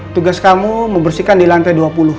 tugas kamu membersihkan di lantai dua puluh